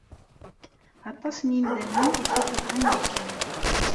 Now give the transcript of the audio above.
Aṭas n yemdanen i k-ikeṛhen yakan.